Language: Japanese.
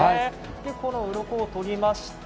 このうろこをとりまして。